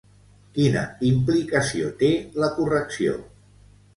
Quina implicació té, la correcció?